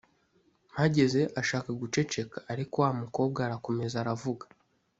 Mpageze ashaka guceceka ariko wa mukobwa arakomeza aravuga